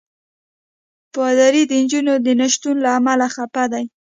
پادري د نجونو د نه شتون له امله خفه دی.